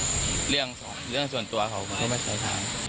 อันนี้ผมก็ไม่รู้มั้ยครับพี่เรื่องส่วนตัวของผมก็ไม่ใช้ทาง